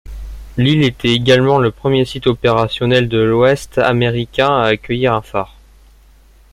L'île était également le premier site opérationnel de l'Ouest américain à accueillir un phare.